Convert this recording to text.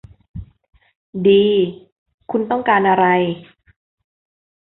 ดี คุณต้องการอะไร